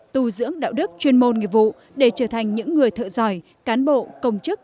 tù dưỡng đạo đức chuyên môn nghiệp vụ để trở thành những người thợ giỏi cán bộ công chức